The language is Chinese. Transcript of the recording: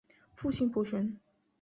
父亲浦璇。